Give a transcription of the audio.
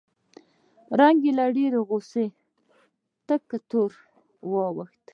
رنګ یې له ډېرې غوسې تک تور واوښت